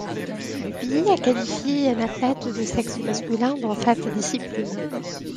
Le pays a qualifié un athlète de sexe masculin dans cette discipline.